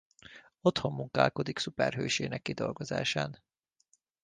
Otthon munkálkodik szuperhősének kidolgozásán.